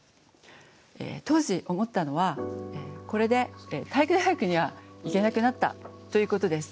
当時思ったのはこれで体育大学には行けなくなったということです。